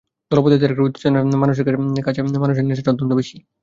দলপতিত্বের একটা উত্তেজনা আছে, মানুষের কাছে মানুষের নেশাটা অত্যন্ত বেশি।